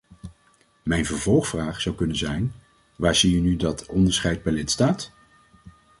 Mijn vervolgvraag zou kunnen zijn: waar zie je nu dat onderscheid per lidstaat?